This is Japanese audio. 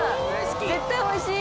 絶対おいしい！